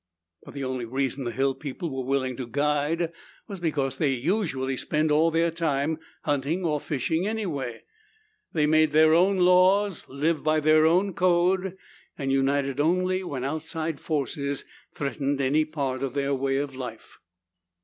But the only reason the hill people were willing to guide was because they usually spent all their time hunting or fishing anyway. They made their own laws, lived by their own code, and united only when outside forces threatened any part of their way of life.